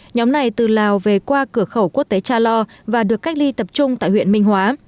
nhóm này từ lào về qua cửa khẩu quốc tế cha lo và được cách ly tập trung tại huyện minh hóa